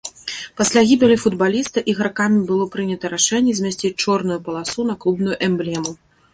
Пасля гібелі футбаліста ігракамі было прынята рашэнне змясціць чорную паласу на клубную эмблему.